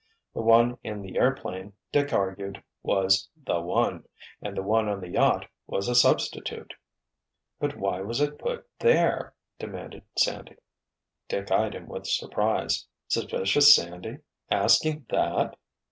The one in the airplane, Dick argued, was "the one"—and the one on the yacht was a substitute. "But why was it put there?" demanded Sandy. Dick eyed him with surprise. "Suspicions Sandy—asking that?"